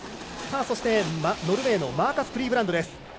そして、ノルウェーのマーカス・クリーブランド。